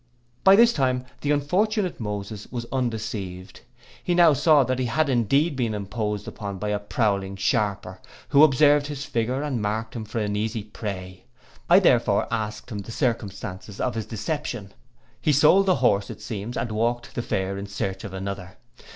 By this time the unfortunate Moses was undeceived. He now saw that he had indeed been imposed upon by a prowling sharper, who, observing his figure, had marked him for an easy prey. I therefore asked the circumstances of his deception. He sold the horse, it seems, and walked the fair in search of another.